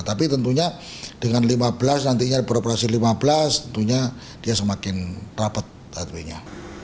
tapi tentunya dengan lima belas nantinya beroperasi lima belas tentunya dia semakin rapat headway nya